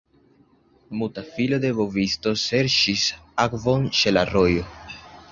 Muta filo de bovisto serĉis akvon ĉe la rojo.